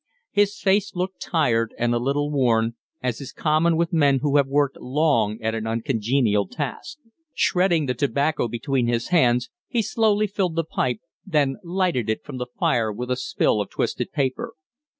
His face looked tired and a little worn, as is common with men who have worked long at an uncongenial task. Shredding the tobacco between his hands, he slowly filled the pipe, then lighted it from the fire with a spill of twisted paper.